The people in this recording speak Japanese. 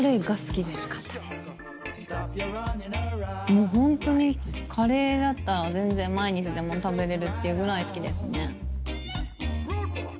もうホントにカレーだったら全然毎日でも食べれるっていうぐらい好きですね。